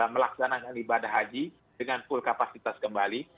melaksanakan ibadah haji dengan full kapasitas kembali